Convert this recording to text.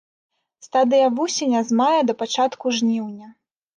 Стадыя вусеня з мая да пачатку жніўня.